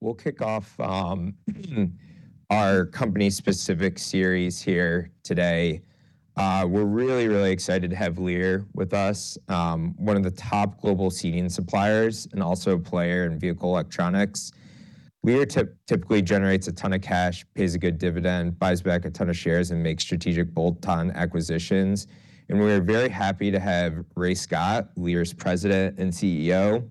We'll kick off our company specific series here today. We're really excited to have Lear with us, one of the top global seating suppliers and also a player in vehicle electronics. Lear typically generates a ton of cash, pays a good dividend, buys back a ton of shares, and makes strategic bolt-on acquisitions. We're very happy to have Ray Scott, Lear's President and CEO,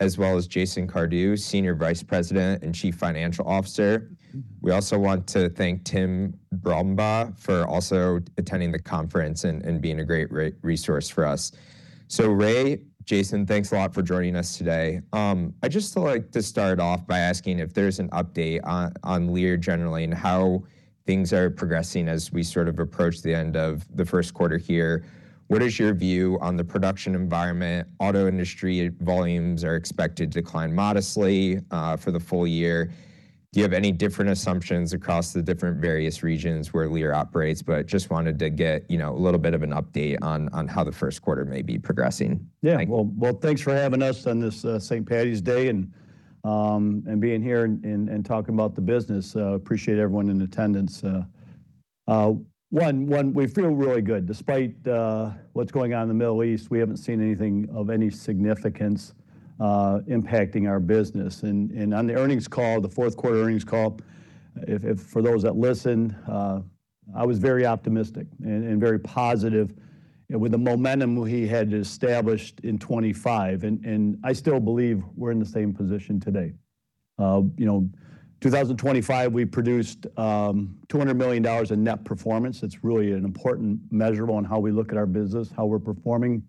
as well as Jason Cardew, Senior Vice President and Chief Financial Officer. We also want to thank Tim Brumbaugh for also attending the conference and being a great resource for us. Ray, Jason, thanks a lot for joining us today. I'd just like to start off by asking if there's an update on Lear generally and how things are progressing as we sort of approach the end of the first quarter here. What is your view on the production environment? Auto industry volumes are expected to decline modestly for the full year. Do you have any different assumptions across the different various regions where Lear operates? Just wanted to get a little bit of an update on how the first quarter may be progressing. Thanks for having us on this St. Paddy's Day and being here and talking about the business. Appreciate everyone in attendance. We feel really good. Despite what's going on in the Middle East, we haven't seen anything of any significance impacting our business. On the earnings call, the fourth quarter earnings call, for those that listened, I was very optimistic and very positive with the momentum we had established in 2025. I still believe we're in the same position today. 2025, we produced $200 million in net performance. It's really an important measure on how we look at our business, how we're performing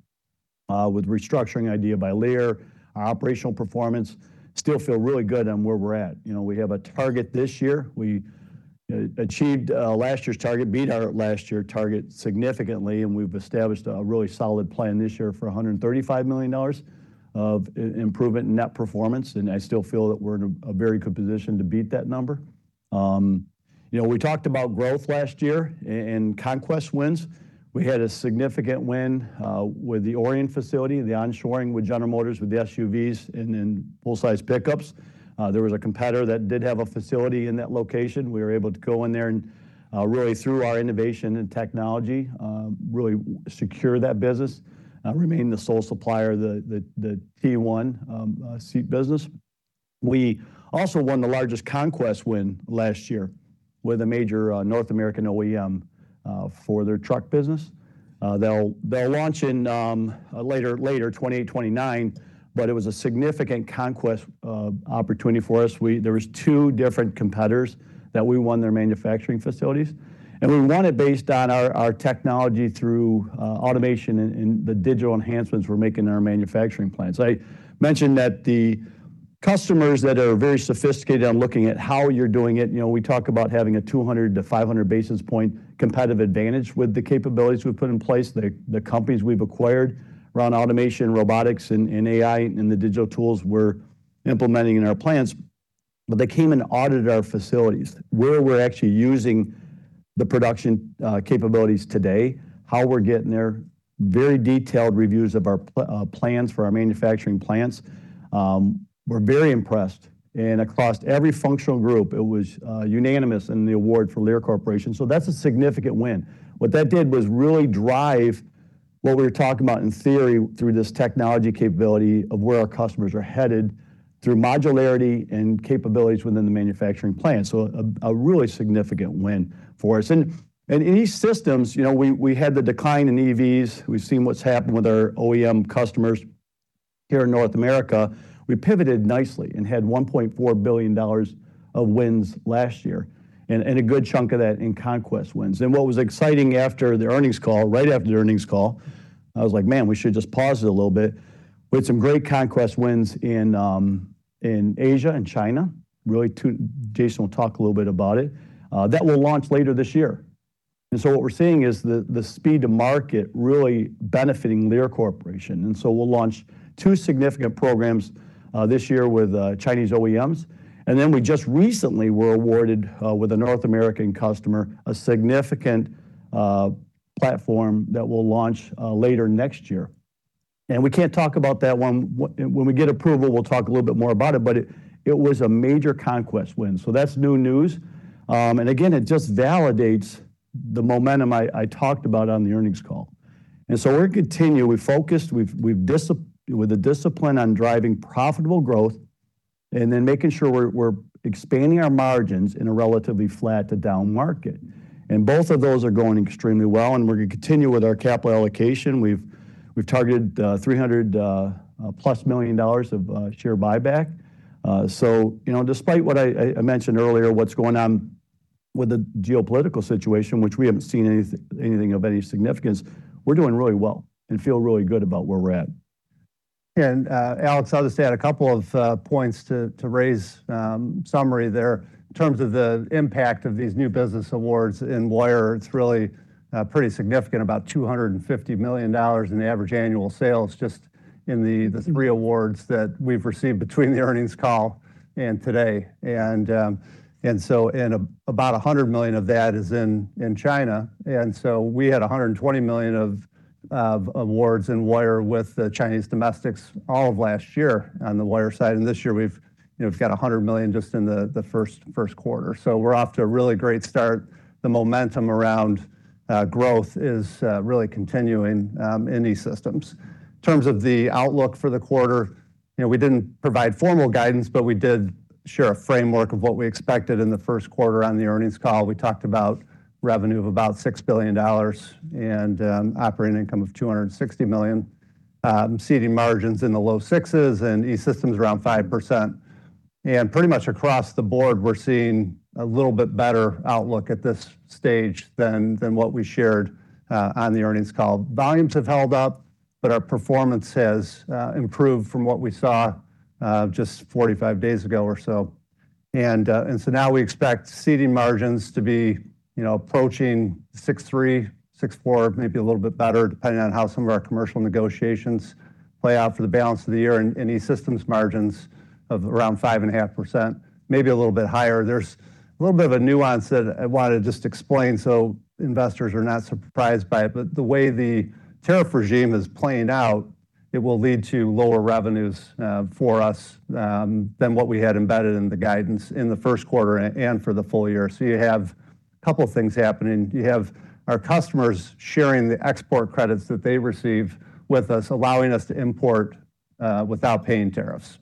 with restructuring IDEA by Lear. Our operational performance still feels really good on where we're at. You know, we have a target this year. We achieved last year's target, beat our last year target significantly, and we've established a really solid plan this year for $135 million of improvement in net performance, and I still feel that we're in a very good position to beat that number. You know, we talked about growth last year in conquest wins. We had a significant win with the Orion facility, the onshoring with General Motors, with the SUVs and then full-size pickups. There was a competitor that did have a facility in that location. We were able to go in there and really through our innovation and technology really secure that business remain the sole supplier of the T1 seat business. We also won the largest conquest win last year with a major North American OEM for their truck business. They'll launch in later 2028-2029, but it was a significant conquest opportunity for us. There was Two different competitors that we won their manufacturing facilities, and we won it based on our technology through automation and the digital enhancements we're making in our manufacturing plants. I mentioned that the customers that are very sophisticated on looking at how you're doing it, we talk about having a 200-500 basis points competitive advantage with the capabilities we've put in place, the companies we've acquired around automation, robotics, and AI, and the digital tools we're implementing in our plants. They came and audited our facilities, where we're actually using the production capabilities today, how we're getting there, very detailed reviews of our plans for our manufacturing plants, were very impressed. Across every functional group, it was unanimous in the award for Lear Corporation. That's a significant win. What that did was really drive what we were talking about in theory through this technology capability of where our customers are headed through modularity and capabilities within the manufacturing plant. A really significant win for us. In these systems, we had the decline in EVs. We've seen what's happened with our OEM customers here in North America. We pivoted nicely and had $1.4 billion of wins last year and a good chunk of that in conquest wins. What was exciting after the earnings call, right after the earnings call, I was like, "Man, we should just pause it a little bit." We had some great conquest wins in Asia and China, really two. Jason will talk a little bit about it, that will launch later this year. What we're seeing is the speed to market really benefiting Lear Corporation. We'll launch two significant programs this year with Chinese OEMs. Then we just recently were awarded with a North American customer, a significant platform that will launch later next year. We can't talk about that one. When we get approval, we'll talk a little bit more about it, but it was a major conquest win. That's new news. Again, it just validates the momentum I talked about on the earnings call. We're continuing. We're focused. We've with the discipline on driving profitable growth and then making sure we're expanding our margins in a relatively flat to down market. Both of those are going extremely well, and we're gonna continue with our capital allocation. We've targeted $300+ million of share buyback. Despite what I mentioned earlier, what's going on with the geopolitical situation, which we haven't seen anything of any significance, we're doing really well and feel really good about where we're at. Alex, I'll just add a couple of points to Ray's summary there. In terms of the impact of these new business awards in Lear, it's really pretty significant, about $250 million in average annual sales just in the three awards that we've received between the earnings call and today. About $100 million of that is in China. We had $120 million of- Of awards and wire with the Chinese OEMs all of last year on the wire side. This year we've got $100 million just in the first quarter. We're off to a really great start. The momentum around growth is really continuing in E-Systems. In terms of the outlook for the quarter, we didn't provide formal guidance, but we did share a framework of what we expected in the first quarter on the earnings call. We talked about revenue of about $6 billion and operating income of $260 million, Seating margins in the low 6s and E-Systems around 5%. Pretty much across the board, we're seeing a little bit better outlook at this stage than what we shared on the earnings call. Volumes have held up, but our performance has improved from what we saw just 45 days ago or so. Now we expect Seating margins to be, you know, approaching 6.3%-6.4%, maybe a little bit better, depending on how some of our commercial negotiations play out for the balance of the year. E-Systems margins of around 5.5%, maybe a little bit higher. There's a little bit of a nuance that I want to just explain so investors are not surprised by it. The way the tariff regime is playing out, it will lead to lower revenues for us than what we had embedded in the guidance in the first quarter and for the full year. You have a couple of things happening. You have our customers sharing the export credits that they receive with us, allowing us to import without paying tariffs.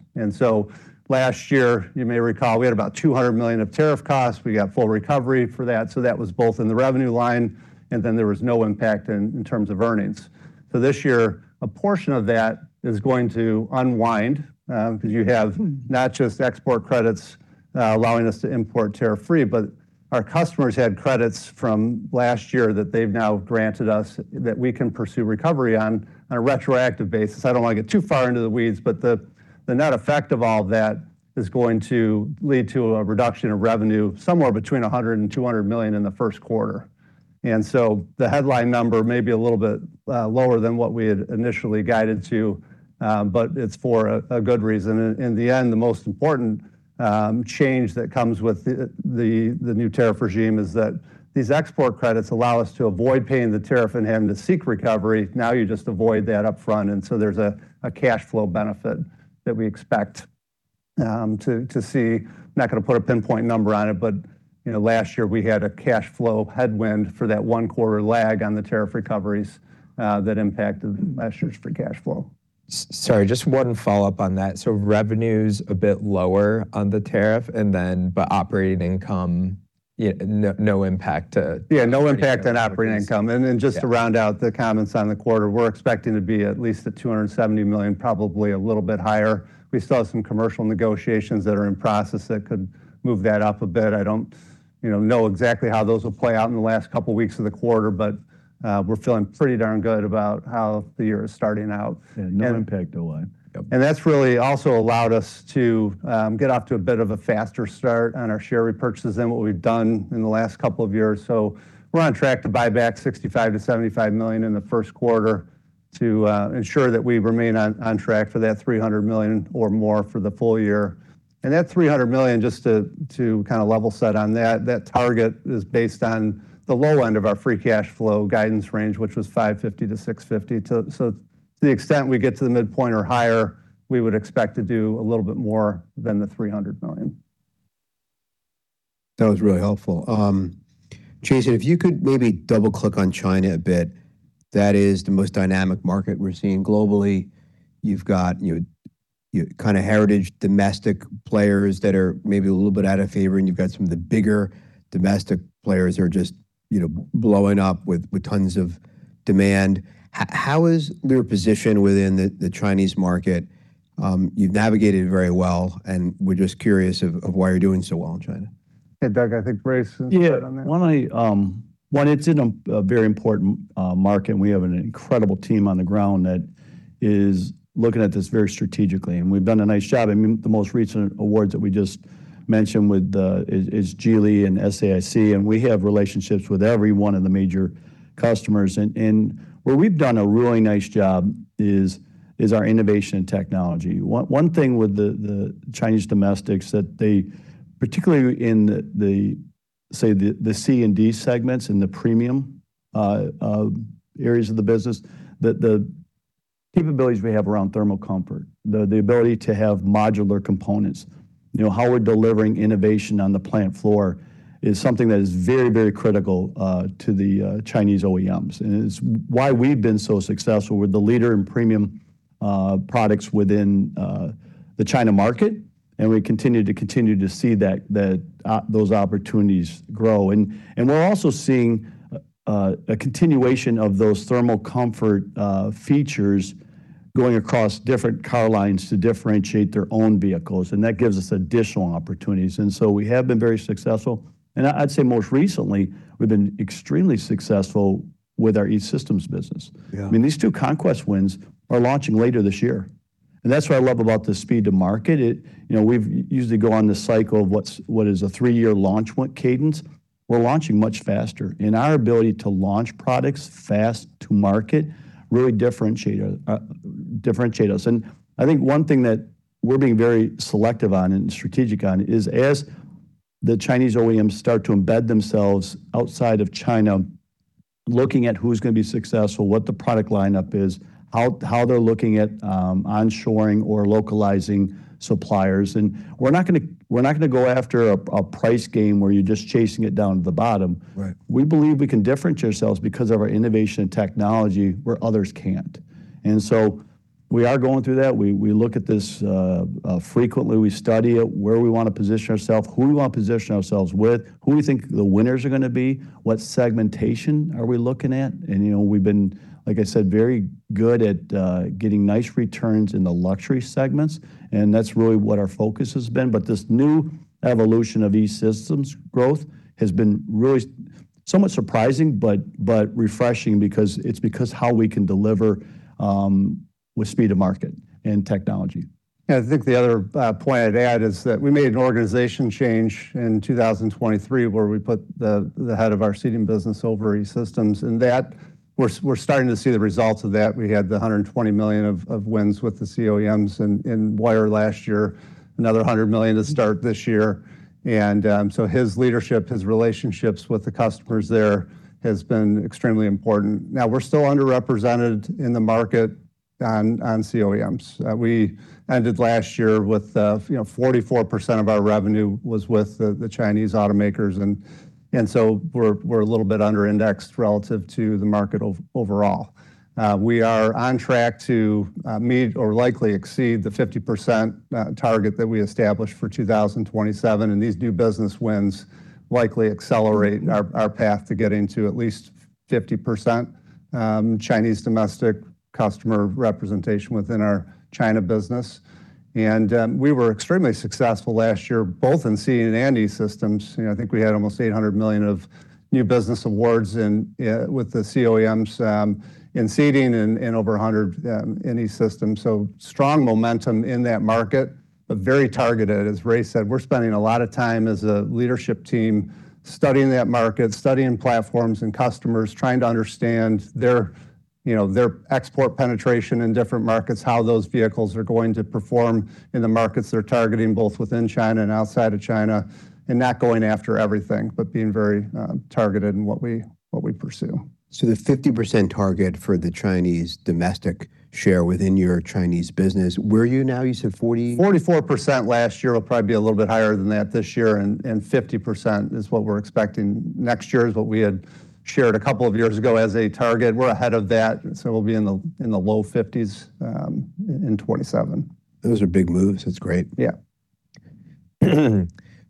Last year, you may recall, we had about $200 million of tariff costs. We got full recovery for that. That was both in the revenue line, and then there was no impact in terms of earnings. This year, a portion of that is going to unwind because you have not just export credits allowing us to import tariff-free, but our customers had credits from last year that they've now granted us that we can pursue recovery on a retroactive basis. I don't want to get too far into the weeds, but the net effect of all that is going to lead to a reduction of revenue somewhere between $100 million and $200 million in the first quarter. The headline number may be a little bit lower than what we had initially guided to, but it's for a good reason. In the end, the most important change that comes with the new tariff regime is that these export credits allow us to avoid paying the tariff and having to seek recovery. Now you just avoid that upfront, and so there's a cash flow benefit that we expect to see. Not gonna put a pinpoint number on it, but, you know, last year we had a cash flow headwind for that one quarter lag on the tariff recoveries, that impacted last year's free cash flow. Sorry, just one follow-up on that. Revenue's a bit lower on the tariff, but operating income, yeah, no impact to- No impact on operating income. Yeah. Then just to round out the comments on the quarter, we're expecting to be at least at $270 million, probably a little bit higher. We still have some commercial negotiations that are in process that could move that up a bit. I don't, you know exactly how those will play out in the last couple weeks of the quarter, but we're feeling pretty darn good about how the year is starting out. No impact to what? Yep. That's really also allowed us to get off to a bit of a faster start on our share repurchases than what we've done in the last couple of years. We're on track to buy back $65 million-$75 million in the first quarter to ensure that we remain on track for that $300 million or more for the full year. That $300 million, just to kind of level set on that target is based on the low end of our free cash flow guidance range, which was $550 million-$650 million. So to the extent we get to the midpoint or higher, we would expect to do a little bit more than the $300 million. That was really helpful. Jason, if you could maybe double-click on China a bit. That is the most dynamic market we're seeing globally. You've got your kind of heritage domestic players that are maybe a little bit out of favor, and you've got some of the bigger domestic players that are just, you know, blowing up with tons of demand. How is your position within the Chinese market? You've navigated very well, and we're just curious of why you're doing so well in China. Doug, I think Ray Scott can touch on that. One, it's in a very important market, and we have an incredible team on the ground that is looking at this very strategically, and we've done a nice job. I mean, the most recent awards that we just mentioned with Geely and SAIC, and we have relationships with every one of the major customers. Where we've done a really nice job is our innovation and technology. One thing with the Chinese domestics, particularly in, say, the C and D segments in the premium areas of the business, the capabilities we have around thermal comfort, the ability to have modular components. You know, how we're delivering innovation on the plant floor is something that is very critical to the Chinese OEMs. It's why we've been so successful. We're the leader in premium products within the China market, and we continue to see that those opportunities grow. We're also seeing a continuation of those thermal comfort features going across different car lines to differentiate their own vehicles, and that gives us additional opportunities. We have been very successful. I'd say most recently, we've been extremely successful with our E-Systems business. Yeah. I mean, these two conquest wins are launching later this year. That's what I love about the speed to market. You know, we've usually go on the cycle of what is a three-year launch win cadence. We're launching much faster. Our ability to launch products fast to market really differentiate us. I think one thing that we're being very selective on and strategic on is as the Chinese OEMs start to embed themselves outside of China, looking at who's going to be successful, what the product lineup is, how they're looking at onshoring or localizing suppliers. We're not gonna go after a price game where you're just chasing it down to the bottom. Right. We believe we can differentiate ourselves because of our innovation and technology where others can't. We are going through that. We look at this frequently. We study it, where we want to position ourselves, who we want to position ourselves with, who we think the winners are going to be, what segmentation are we looking at. You know, we've been, like I said, very good at getting nice returns in the luxury segments, and that's really what our focus has been. This new evolution of E-Systems growth has been really somewhat surprising, but refreshing because how we can deliver with speed of market and technology. I think the other point I'd add is that we made an organization change in 2023 where we put the head of our Seating business over E-Systems, and that we're starting to see the results of that. We had $120 million of wins with the Chinese OEMs in wire last year, another $100 million to start this year. His leadership, his relationships with the customers there has been extremely important. Now, we're still underrepresented in the market on Chinese OEMs. We ended last year with 44% of our revenue was with the Chinese automakers and so we're a little bit under-indexed relative to the market overall. We are on track to meet or likely exceed the 50% target that we established for 2027, and these new business wins likely accelerate our path to getting to at least 50% Chinese domestic customer representation within our China business. We were extremely successful last year, both in Seating and E-Systems. You know, I think we had almost $800 million of new business awards with the Chinese OEMs in Seating and over $100 million in E-Systems. Strong momentum in that market, but very targeted. As Ray said, we're spending a lot of time as a leadership team studying that market, studying platforms and customers, trying to understand their, you know, their export penetration in different markets, how those vehicles are going to perform in the markets they're targeting, both within China and outside of China, and not going after everything, but being very targeted in what we pursue. The 50% target for the Chinese domestic share within your Chinese business. Where are you now? You said 40- 44% last year. We'll probably be a little bit higher than that this year, and 50% is what we're expecting next year, is what we had shared a couple of years ago as a target. We're ahead of that, so we'll be in the low 50s% in 2027. Those are big moves. That's great. Yeah.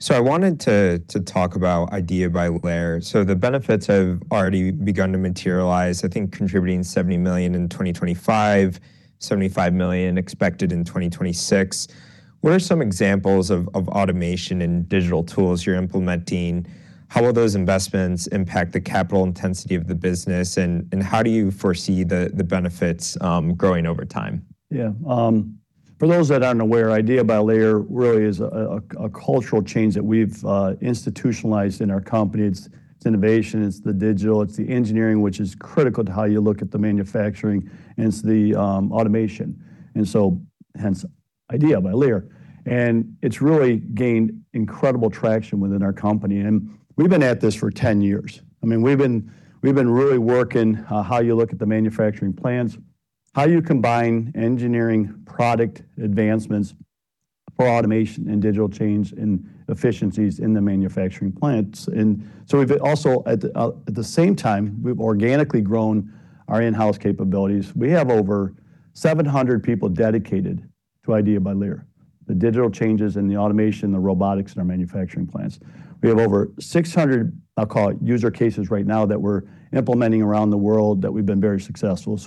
I wanted to talk about IDEA by Lear. The benefits have already begun to materialize, I think contributing $70 million in 2025, $75 million expected in 2026. What are some examples of automation and digital tools you're implementing? How will those investments impact the capital intensity of the business, and how do you foresee the benefits growing over time? For those that aren't aware, IDEA by Lear really is a cultural change that we've institutionalized in our company. It's innovation, it's the digital, it's the engineering, which is critical to how you look at the manufacturing, and it's the automation. Hence IDEA by Lear. It's really gained incredible traction within our company. We've been at this for 10 years. I mean, we've been really working on how you look at the manufacturing plans, how you combine engineering product advancements for automation and digital change and efficiencies in the manufacturing plants. We've also, at the same time, organically grown our in-house capabilities. We have over 700 people dedicated to IDEA by Lear. The digital changes and the automation, the robotics in our manufacturing plants. We have over 600, I'll call it, use cases right now that we're implementing around the world that we've been very successful.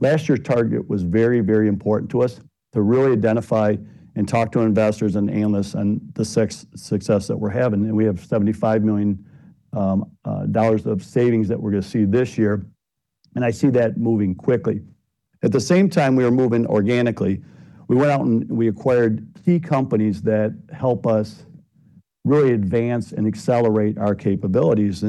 Last year's target was very important to us to really identify and talk to investors and analysts on the success that we're having. We have $75 million of savings that we're going to see this year, and I see that moving quickly. At the same time we are moving organically, we went out and we acquired key companies that help us really advance and accelerate our capabilities.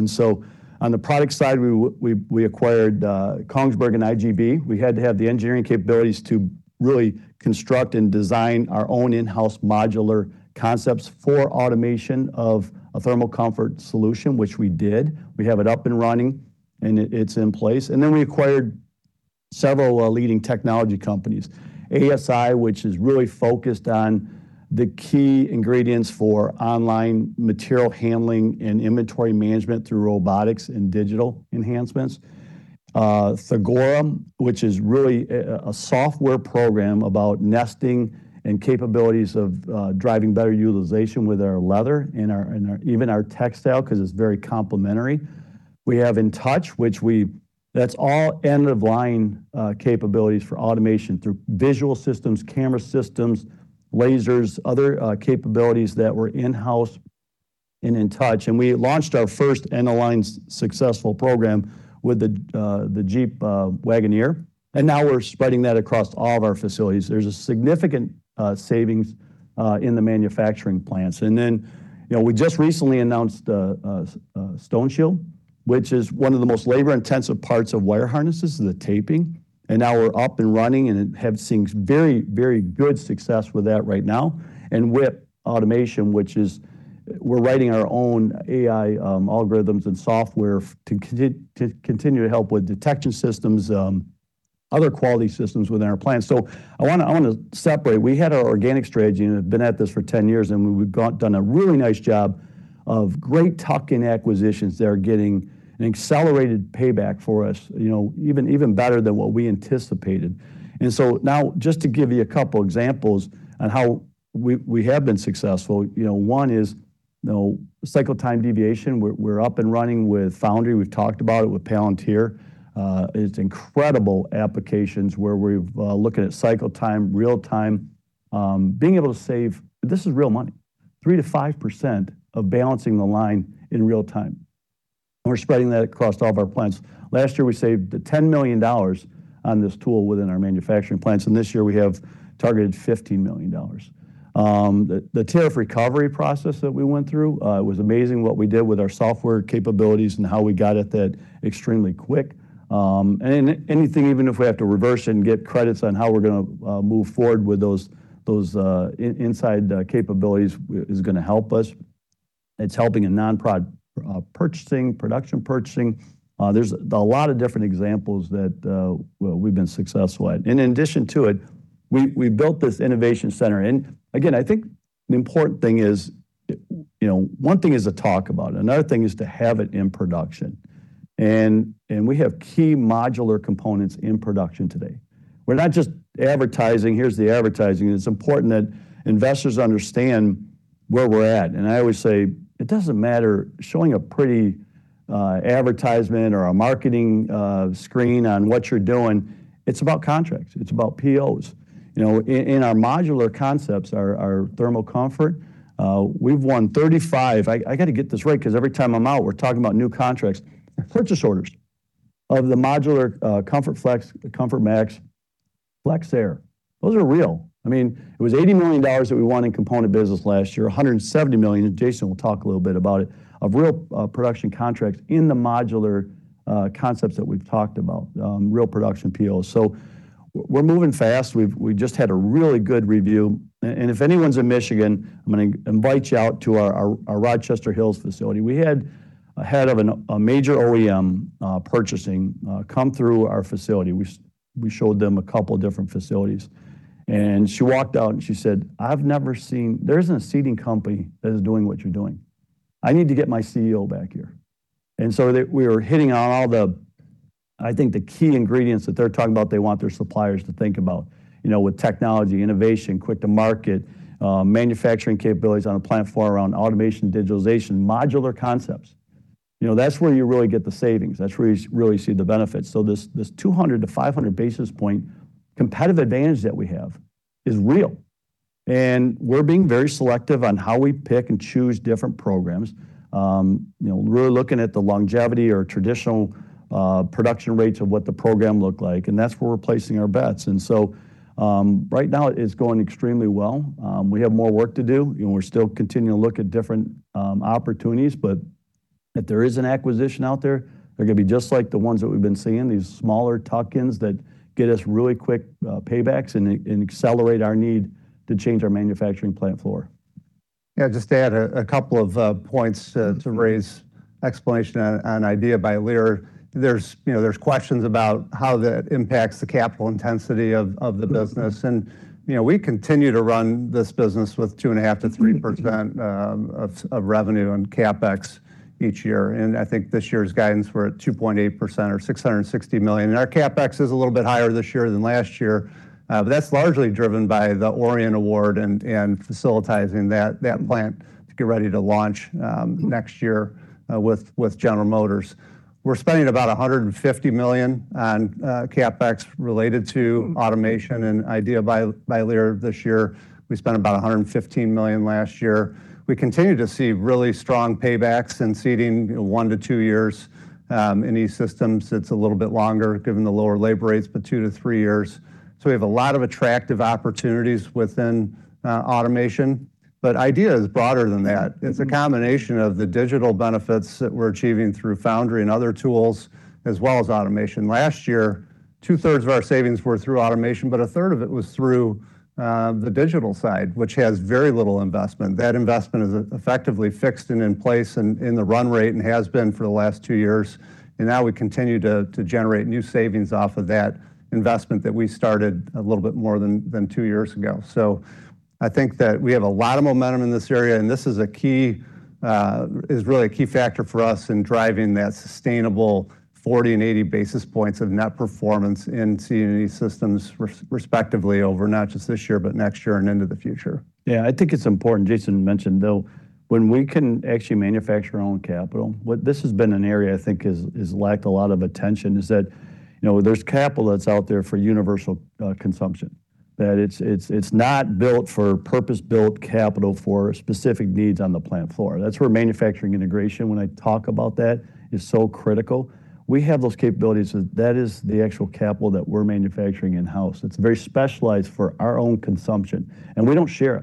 On the product side, we acquired Kongsberg and I.G. Bauerhin. We had to have the engineering capabilities to really construct and design our own in-house modular concepts for automation of a thermal comfort solution, which we did. We have it up and running, and it's in place. We acquired several leading technology companies. ASI, which is really focused on the key ingredients for on-line material handling and inventory management through robotics and digital enhancements. Thagora, which is really a software program about nesting and capabilities of driving better utilization with our leather and even our textile, 'cause it's very complementary. We have InTouch, that's all end-of-line capabilities for automation through visual systems, camera systems, lasers, other capabilities that were in-house in InTouch. We launched our first end-of-line successful program with the Jeep Wagoneer, and now we're spreading that across all of our facilities. There's a significant savings in the manufacturing plants. We just recently announced StoneShield, which is one of the most labor-intensive parts of wire harnesses is the taping. Now we're up and running and have seen very, very good success with that right now. With automation, which is we're writing our own AI algorithms and software to continue to help with detection systems, other quality systems within our plant. I wanna separate. We had our organic strategy and have been at this for 10 years, and we've done a really nice job of great tuck-in acquisitions that are getting an accelerated payback for us, you know, even better than what we anticipated. Just to give you a couple examples on how we have been successful. You know, one is, you know, cycle time deviation. We're up and running with Foundry. We've talked about it with Palantir. It's incredible applications where we're looking at cycle time, real time, being able to save. This is real money, 3%-5% of balancing the line in real time. We're spreading that across all of our plants. Last year, we saved $10 million on this tool within our manufacturing plants, and this year we have targeted $15 million. The tariff recovery process that we went through was amazing, what we did with our software capabilities and how we got at that extremely quick. Anything even if we have to reverse it and get credits on how we're gonna move forward with those inside capabilities is gonna help us. It's helping in non-production purchasing, production purchasing. There's a lot of different examples that we've been successful at. In addition to it, we built this innovation center. Again, I think the important thing is, you know, one thing is to talk about it, another thing is to have it in production, and we have key modular components in production today. We're not just advertising. Here's the advertising, and it's important that investors understand where we're at. I always say, it doesn't matter showing a pretty advertisement or a marketing screen on what you're doing. It's about contracts. It's about POs. You know, in our modular concepts, our thermal comfort, we've won 35. I gotta get this right 'cause every time I'm out, we're talking about new contracts. Purchase orders of the modular ComfortFlex, ComfortMax, FlexAir. Those are real. It was $80 million that we won in component business last year. $170 million, and Jason will talk a little bit about it, of real production contracts in the modular concepts that we've talked about, real production POs. We're moving fast. We just had a really good review. If anyone's in Michigan, I'm gonna invite you out to our Rochester Hills facility. We had a head of a major OEM purchasing come through our facility. We showed them a couple different facilities, and she walked out and she said, "There isn't a seating company that is doing what you're doing. I need to get my CEO back here." We were hitting on all the, I think, the key ingredients that they're talking about they want their suppliers to think about, you know, with technology, innovation, quick to market, manufacturing capabilities on a plant floor around automation, digitalization, modular concepts. You know, that's where you really get the savings. That's where you really see the benefits. This 200-500 basis point competitive advantage that we have is real, and we're being very selective on how we pick and choose different programs. You know, we're looking at the longevity or traditional production rates of what the program look like, and that's where we're placing our bets. Right now it's going extremely well. We have more work to do, and we're still continuing to look at different opportunities. If there is an acquisition out there, they're gonna be just like the ones that we've been seeing, these smaller tuck-ins that get us really quick paybacks and accelerate our need to change our manufacturing plant floor. Yeah. Just to add a couple of points to Ray's explanation on IDEA by Lear. You know, there are questions about how that impacts the capital intensity of the business. You know, we continue to run this business with 2.5%-3% of revenue on CapEx each year. I think this year's guidance, we're at 2.8% or $660 million. Our CapEx is a little bit higher this year than last year, but that's largely driven by the Orion award and facilitizing that plant to get ready to launch next year with General Motors. We're spending about $150 million on CapEx related to automation and IDEA by Lear this year. We spent about $115 million last year. We continue to see really strong paybacks in Seating, you know, 1-2 years. In these systems, it's a little bit longer, given the lower labor rates, but 2-3 years. We have a lot of attractive opportunities within automation. But IDEA is broader than that. It's a combination of the digital benefits that we're achieving through Foundry and other tools, as well as automation. Last year, two-thirds of our savings were through automation, but a third of it was through the digital side, which has very little investment. That investment is effectively fixed and in place in the run rate and has been for the last 2 years. Now we continue to generate new savings off of that investment that we started a little bit more than 2 years ago. I think that we have a lot of momentum in this area, and this is really a key factor for us in driving that sustainable 40 and 80 basis points of net performance in Seating and E-Systems respectively over not just this year, but next year and into the future. Yeah. I think it's important Jason mentioned, though, when we can actually manufacture our own capital. This has been an area I think has lacked a lot of attention, is that, you know, there's capital that's out there for universal consumption. That it's not built for purpose-built capital for specific needs on the plant floor. That's where manufacturing integration, when I talk about that, is so critical. We have those capabilities. That is the actual capital that we're manufacturing in-house. It's very specialized for our own consumption, and we don't share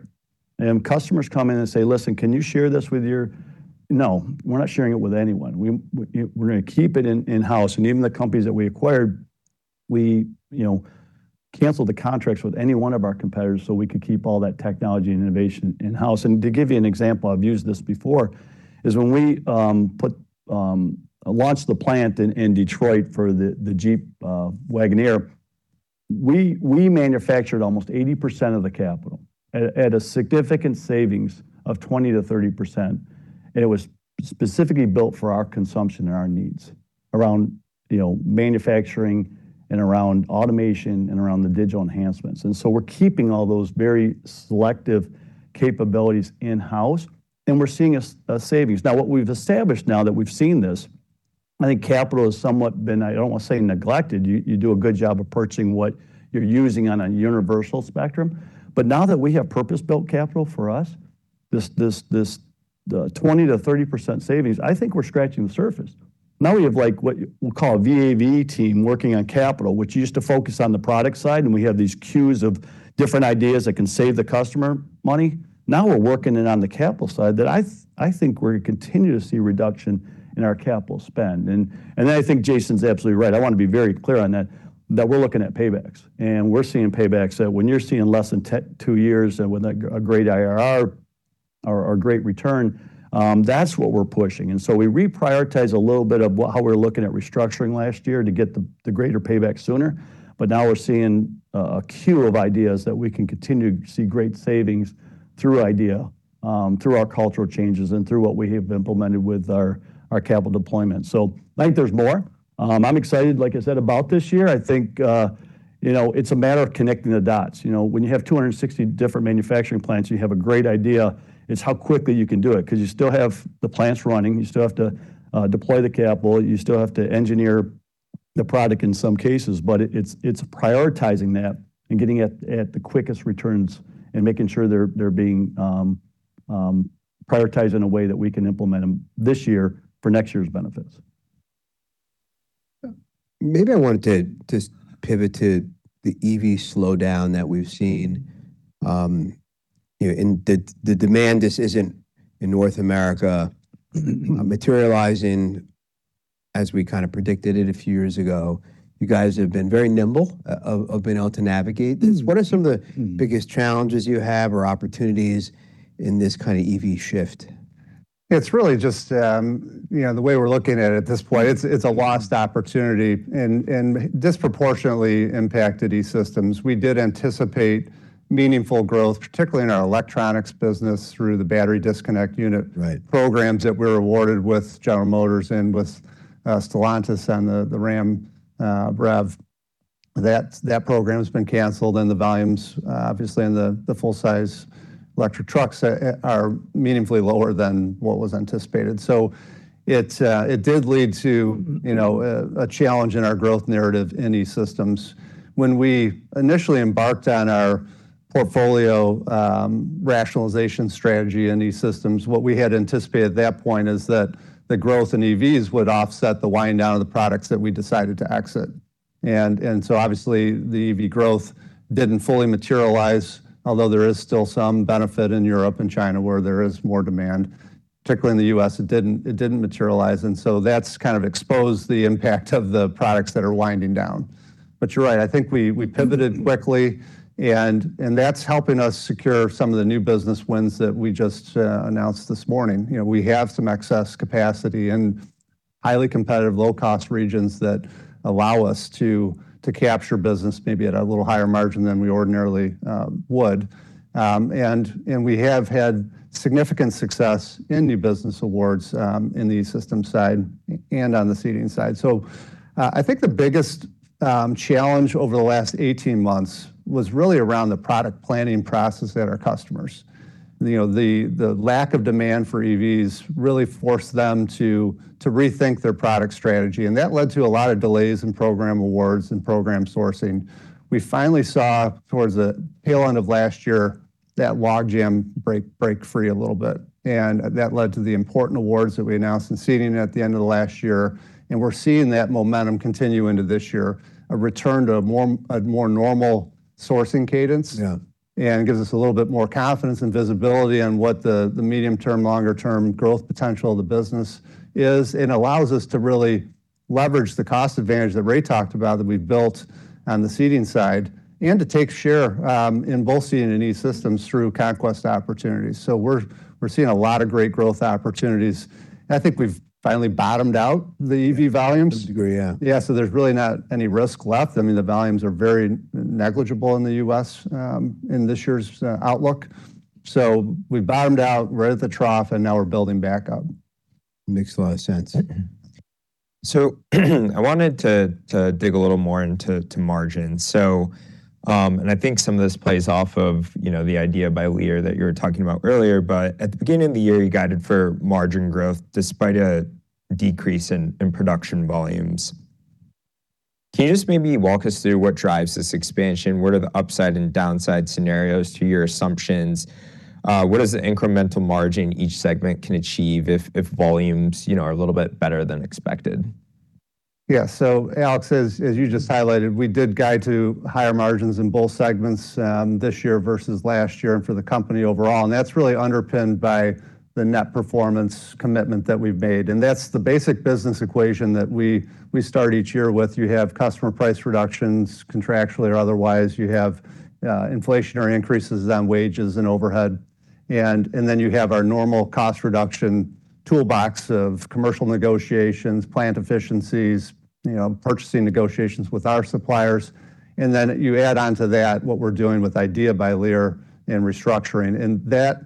it. Customers come in and say, "Listen, can you share this with your..." No, we're not sharing it with anyone. We're gonna keep it in-house, and even the companies that we acquired, you know, canceled the contracts with any one of our competitors, so we could keep all that technology and innovation in-house. To give you an example, I've used this before, is when we launched the plant in Detroit for the Jeep Wagoneer, we manufactured almost 80% of the CapEx at a significant savings of 20%-30%. It was specifically built for our consumption and our needs around, you know, manufacturing and around automation and around the digital enhancements. We're keeping all those very selective capabilities in-house, and we're seeing a savings. Now, what we've established now that we've seen this, I think capital has somewhat been. I don't wanna say neglected. You do a good job of purchasing what you're using on a universal spectrum. But now that we have purpose-built capital for us, this, the 20%-30% savings, I think we're scratching the surface. Now we have like what we call a VA/VE team working on capital, which used to focus on the product side, and we have these queues of different ideas that can save the customer money. Now we're working it on the capital side. I think we're gonna continue to see a reduction in our capital spend. I think Jason's absolutely right. I wanna be very clear on that we're looking at paybacks, and we're seeing paybacks that when you're seeing less than two years and with a great IRR or a great return, that's what we're pushing. We reprioritize a little bit of how we're looking at restructuring last year to get the greater payback sooner. But now we're seeing a queue of ideas that we can continue to see great savings through IDEA, through our cultural changes and through what we have implemented with our capital deployment. I think there's more. I'm excited, like I said, about this year. I think, you know, it's a matter of connecting the dots. You know, when you have 260 different manufacturing plants, you have a great idea. It's how quickly you can do it, 'cause you still have the plants running. You still have to deploy the capital. You still have to engineer the product in some cases. It's prioritizing that and getting it at the quickest returns and making sure they're being prioritized in a way that we can implement them this year for next year's benefits. Maybe I wanted to pivot to the EV slowdown that we've seen, you know, and the demand just isn't in North America materializing as we kind of predicted it a few years ago. You guys have been very nimble of being able to navigate this. What are some of the biggest challenges you have or opportunities in this kind of EV shift? It's really just, you know, the way we're looking at it at this point, it's a lost opportunity and disproportionately impacted E-Systems. We did anticipate meaningful growth, particularly in our electronics business through the battery disconnect unit- Right Programs that we're awarded with General Motors and with Stellantis on the Ram REV. That program's been canceled, and the volumes obviously in the full size electric trucks are meaningfully lower than what was anticipated. It did lead to, you know, a challenge in our growth narrative in E-Systems. When we initially embarked on our portfolio rationalization strategy in E-Systems, what we had anticipated at that point is that the growth in EVs would offset the wind down of the products that we decided to exit. Obviously, the EV growth didn't fully materialize, although there is still some benefit in Europe and China where there is more demand. Particularly in the U.S., it didn't materialize, and so that's kind of exposed the impact of the products that are winding down. You're right, I think we pivoted quickly, and that's helping us secure some of the new business wins that we just announced this morning. You know, we have some excess capacity in highly competitive low-cost regions that allow us to capture business maybe at a little higher margin than we ordinarily would. And we have had significant success in new business awards in the E-Systems side and on the Seating side. I think the biggest challenge over the last 18 months was really around the product planning process at our customers. You know, the lack of demand for EVs really forced them to rethink their product strategy, and that led to a lot of delays in program awards and program sourcing. We finally saw towards the tail end of last year that logjam break free a little bit, and that led to the important awards that we announced in Seating at the end of last year, and we're seeing that momentum continue into this year, a return to a more normal sourcing cadence. Yeah. It gives us a little bit more confidence and visibility on what the medium-term, longer-term growth potential of the business is, and allows us to really leverage the cost advantage that Ray talked about that we've built on the Seating side, and to take share in both Seating and E-Systems through conquest opportunities. We're seeing a lot of great growth opportunities. I think we've finally bottomed out the EV volumes. To a degree, There's really not any risk left. I mean, the volumes are very negligible in the U.S., in this year's outlook. We bottomed out, we're at the trough, and now we're building back up. Makes a lot of sense. I wanted to dig a little more into margin. I think some of this plays off of, you know, the IDEA by Lear that you were talking about earlier. At the beginning of the year, you guided for margin growth despite a decrease in production volumes. Can you just maybe walk us through what drives this expansion? What are the upside and downside scenarios to your assumptions? What is the incremental margin each segment can achieve if volumes, you know, are a little bit better than expected? Alex, as you just highlighted, we did guide to higher margins in both segments, this year versus last year and for the company overall, and that's really underpinned by the net performance commitment that we've made. That's the basic business equation that we start each year with. You have customer price reductions, contractually or otherwise. You have inflationary increases on wages and overhead. Then you have our normal cost reduction toolbox of commercial negotiations, plant efficiencies, you know, purchasing negotiations with our suppliers. Then you add on to that what we're doing with IDEA by Lear and restructuring, and that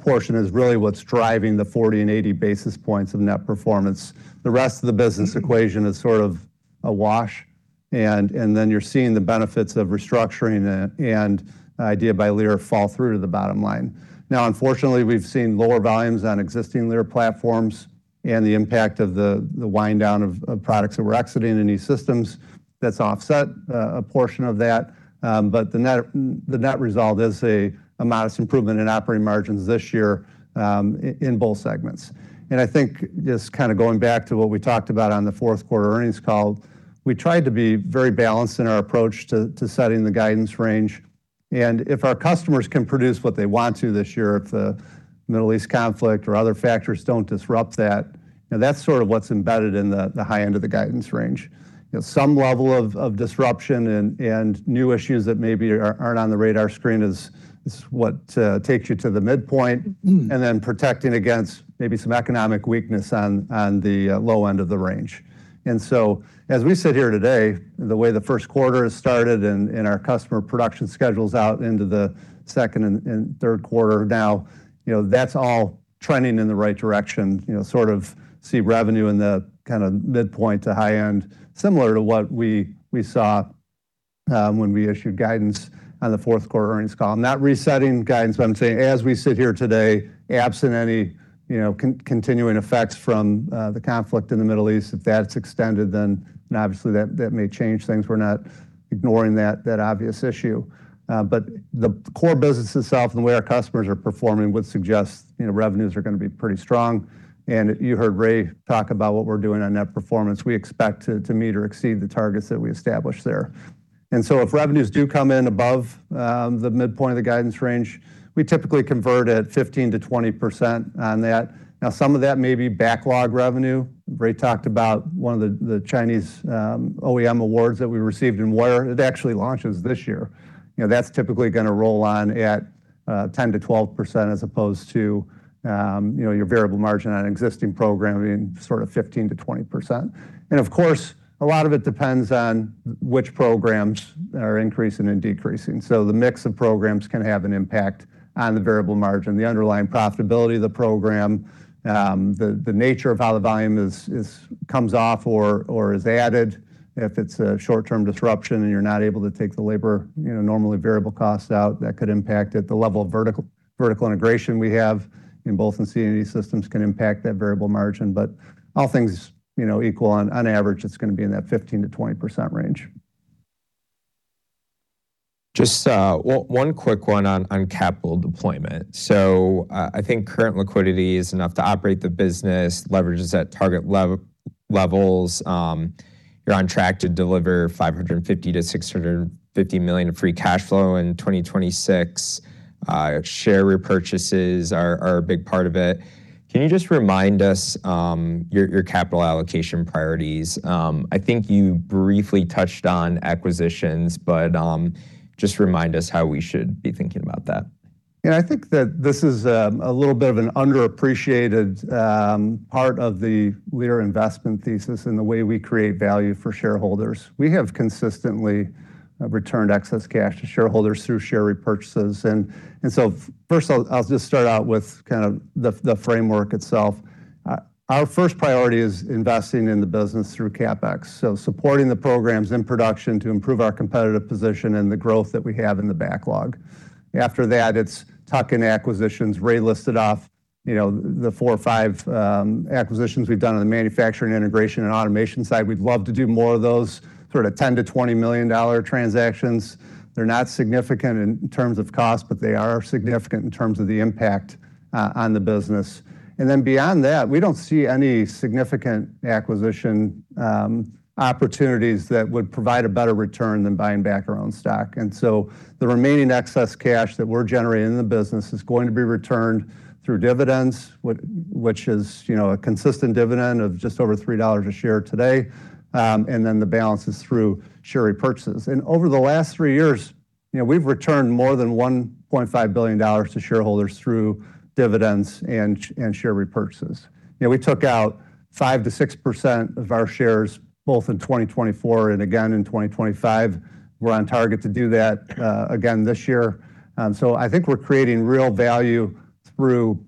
portion is really what's driving the 40 and 80 basis points of net performance. The rest of the business equation is sort of a wash, and then you're seeing the benefits of restructuring and IDEA by Lear fall through to the bottom line. Now unfortunately, we've seen lower volumes on existing Lear platforms and the impact of the wind down of products that we're exiting in these systems that's offset a portion of that, but the net result is a modest improvement in operating margins this year, in both segments. I think just kind of going back to what we talked about on the fourth quarter earnings call, we tried to be very balanced in our approach to setting the guidance range. If our customers can produce what they want to this year, if the Middle East conflict or other factors don't disrupt that, now that's sort of what's embedded in the high end of the guidance range. You know, some level of disruption and new issues that maybe aren't on the radar screen is what takes you to the midpoint, and then protecting against maybe some economic weakness on the low end of the range. As we sit here today, the way the first quarter has started and our customer production schedule's out into the second and third quarter now, you know, that's all trending in the right direction. You know, sort of see revenue in the kinda midpoint to high end, similar to what we saw, when we issued guidance on the fourth quarter earnings call. I'm not resetting guidance, but I'm saying as we sit here today, absent any, you know, continuing effects from, the conflict in the Middle East, if that's extended, then obviously that may change things. We're not ignoring that obvious issue. The core business itself and the way our customers are performing would suggest, you know, revenues are gonna be pretty strong. You heard Ray talk about what we're doing on net performance. We expect to meet or exceed the targets that we established there. If revenues do come in above, the midpoint of the guidance range, we typically convert at 15%-20% on that. Now, some of that may be backlog revenue. Ray talked about one of the Chinese OEM awards that we received in wire that actually launches this year. You know, that's typically gonna roll on at 10%-12% as opposed to, you know, your variable margin on existing programming, sort of 15%-20%. Of course, a lot of it depends on which programs are increasing and decreasing. The mix of programs can have an impact on the variable margin, the underlying profitability of the program, the nature of how the volume comes off or is added if it's a short-term disruption and you're not able to take the labor, you know, normally variable costs out, that could impact it. The level of vertical integration we have in both Seating and E-Systems can impact that variable margin. All things, you know, equal on average, it's gonna be in that 15%-20% range. Just one quick one on capital deployment. I think current liquidity is enough to operate the business. Leverage is at target levels. You're on track to deliver $550 million-$650 million of free cash flow in 2026. Share repurchases are a big part of it. Can you just remind us your capital allocation priorities? I think you briefly touched on acquisitions, but just remind us how we should be thinking about that. Yeah, I think that this is a little bit of an underappreciated part of the Lear investment thesis and the way we create value for shareholders. We have consistently returned excess cash to shareholders through share repurchases. First, I'll just start out with the framework itself. Our first priority is investing in the business through CapEx, so supporting the programs in production to improve our competitive position and the growth that we have in the backlog. After that, it's tuck-in acquisitions. Ray listed off, you know, the four or five acquisitions we've done on the manufacturing, integration, and automation side. We'd love to do more of those sort of $10 million-$20 million transactions. They're not significant in terms of cost, but they are significant in terms of the impact on the business. Beyond that, we don't see any significant acquisition opportunities that would provide a better return than buying back our own stock. The remaining excess cash that we're generating in the business is going to be returned through dividends, which is, you know, a consistent dividend of just over $3 a share today, and then the balance is through share repurchases. Over the last three years, you know, we've returned more than $1.5 billion to shareholders through dividends and share repurchases. You know, we took out 5%-6% of our shares both in 2024 and again in 2025. We're on target to do that again this year. I think we're creating real value through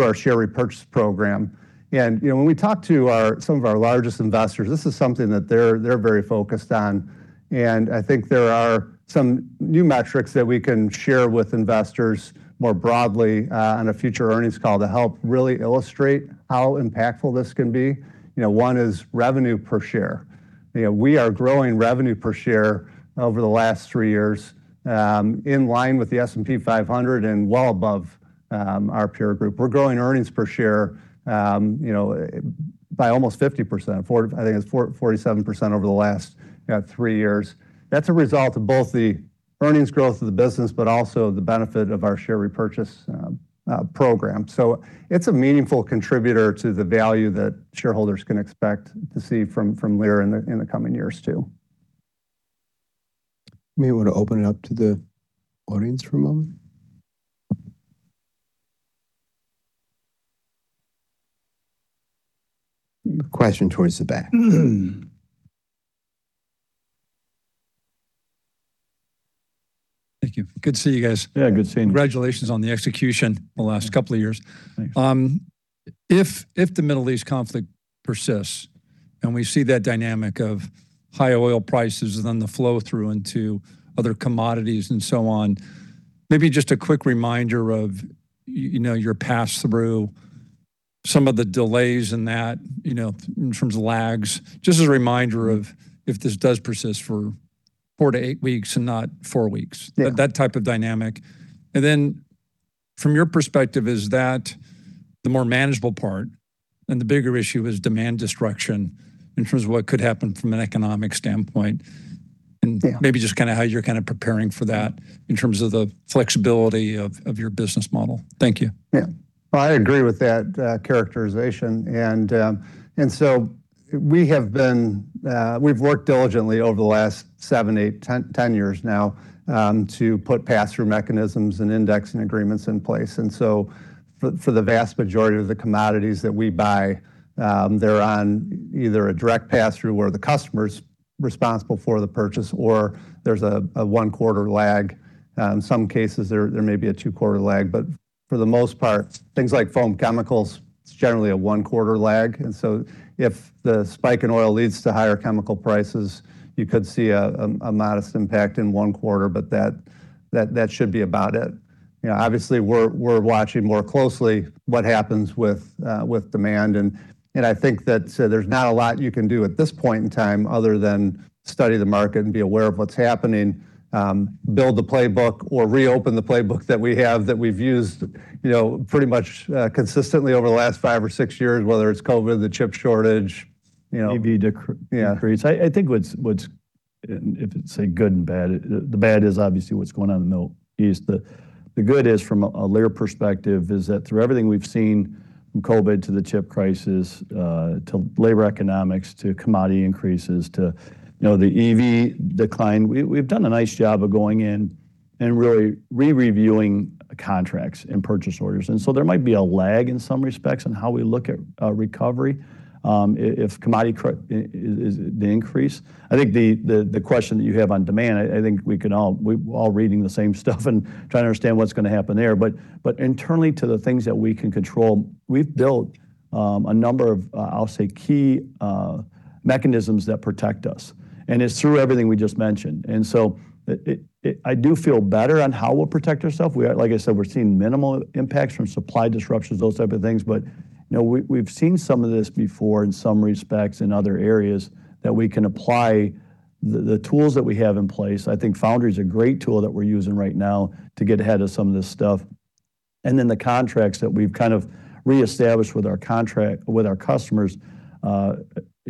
our share repurchase program. You know, when we talk to some of our largest investors, this is something that they're very focused on. I think there are some new metrics that we can share with investors more broadly on a future earnings call to help really illustrate how impactful this can be. You know, one is revenue per share. You know, we are growing revenue per share over the last 3 years in line with the S&P 500 and well above our peer group. We're growing earnings per share, you know, by almost 50%, I think it's 47% over the last 3 years. That's a result of both the earnings growth of the business but also the benefit of our share repurchase program. It's a meaningful contributor to the value that shareholders can expect to see from Lear in the coming years too. Maybe we'll open it up to the audience for a moment. Question towards the back. Thank you. Good to see you guys. Yeah, good seeing you. Congratulations on the execution the last couple of years. Thanks. If the Middle East conflict persists, and we see that dynamic of high oil prices and then the flow-through into other commodities and so on, maybe just a quick reminder of, you know, your pass-through, some of the delays in that, you know, in terms of lags. Just as a reminder of if this does persist for 4-8 weeks and not 4 weeks. Yeah. That type of dynamic. From your perspective, is that the more manageable part and the bigger issue is demand destruction in terms of what could happen from an economic standpoint? Yeah. Maybe just kinda how you're kinda preparing for that in terms of the flexibility of your business model. Thank you. I agree with that, characterization. We've worked diligently over the last 7, 8, 10 years now, to put pass-through mechanisms and indexing agreements in place. For the vast majority of the commodities that we buy, they're on either a direct pass-through where the customer's responsible for the purchase or there's a one-quarter lag. In some cases there may be a two-quarter lag. For the most part, things like foam chemicals, it's generally a one-quarter lag. If the spike in oil leads to higher chemical prices, you could see a modest impact in one quarter, but that should be about it. Obviously we're watching more closely what happens with demand and I think that there's not a lot you can do at this point in time other than study the market and be aware of what's happening, build the playbook or reopen the playbook that we have that we've used, you know, pretty much consistently over the last five or six years, whether it's COVID, the chip shortage, you know. EV decr- Yeah What's. If it's, say, good and bad, the bad is obviously what's going on in the Middle East. The good is from a Lear perspective is that through everything we've seen, from COVID to the chip crisis, to labor economics, to commodity increases, to, you know, the EV decline, we've done a nice job of going in and really re-reviewing contracts and purchase orders. There might be a lag in some respects on how we look at a recovery, if commodity is the increase. I think the question that you have on demand. we can all. We're all reading the same stuff and trying to understand what's gonna happen there. Internally to the things that we can control, we've built a number of, I'll say, key mechanisms that protect us, and it's through everything we just mentioned. I do feel better on how we'll protect ourselves. Like I said, we're seeing minimal impacts from supply disruptions, those type of things. We've seen some of this before in some respects in other areas that we can apply the tools that we have in place. I think Foundry's a great tool that we're using right now to get ahead of some of this stuff. Then the contracts that we've kind of reestablished with our customers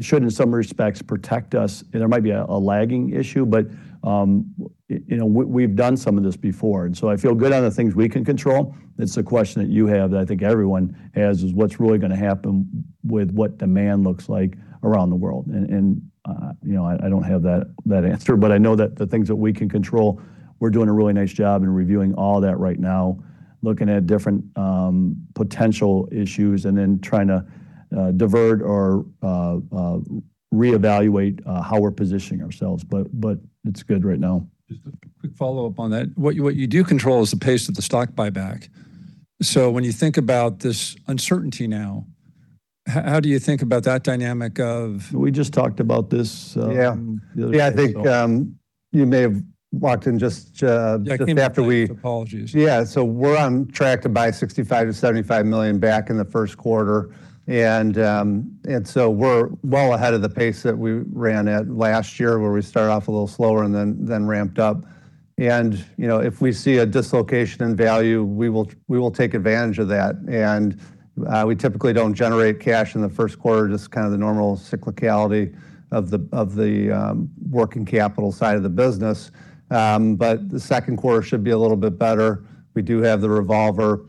should, in some respects, protect us. There might be a lagging issue, but we've done some of this before, and so I feel good on the things we can control. It's the question that you have that I think everyone has, is what's really gonna happen with what demand looks like around the world? I don't have that answer, but I know that the things that we can control, we're doing a really nice job in reviewing all that right now, looking at different potential issues and then trying to divert or reevaluate how we're positioning ourselves. It's good right now. Just a quick follow-up on that. What you do control is the pace of the stock buyback. When you think about this uncertainty now, how do you think about that dynamic of We just talked about this. Yeah the other day, so. I think you may have walked in just after we. I came in late. Apologies. We're on track to buy $65 million-$75 million back in the first quarter. We're well ahead of the pace that we ran at last year, where we started off a little slower and then ramped up. if we see a dislocation in value, we will take advantage of that. We typically don't generate cash in the first quarter, just kind of the normal cyclicality of the working capital side of the business. The second quarter should be a little bit better. We do have the revolver.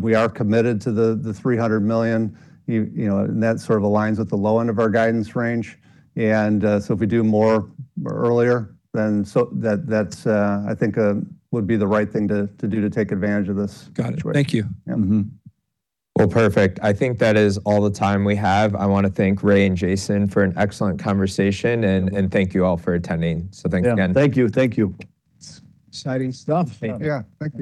We are committed to the $300 million. and that sort of aligns with the low end of our guidance range. If we do more earlier, then so. That's would be the right thing to do to take advantage of this. Got it. Thank you. Yeah.... Well, perfect. I think that is all the time we have. I wanna thank Ray and Jason for an excellent conversation. Thank you all for attending. Thank you again. Thank you. It's exciting stuff. Thank you. Yeah. Thank you.